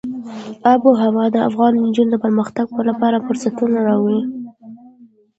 آب وهوا د افغان نجونو د پرمختګ لپاره فرصتونه راولي.